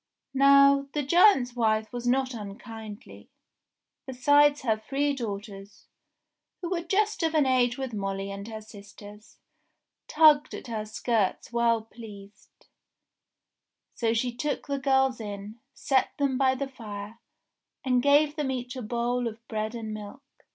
Now, the giant's wife was not unkindly ; besides her three daughters, who were just of an age with Molly and her sisters, tugged at her skirts well pleased ; so she took the girls in, set them by the fire, and gave them each a bowl of bread and milk.